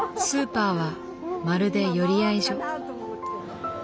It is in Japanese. スーパーはまるで寄り合い所。